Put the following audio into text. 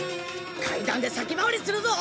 階段で先回りするぞ！